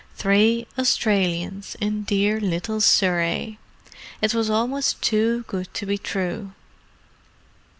Three Australians—in "dear little Surrey!" It was almost too good to be true.